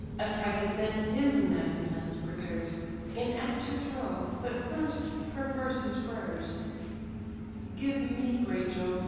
Atrides then his massy lance prepares, In act to throw, but first prefers his prayers: "Give me, great Jove!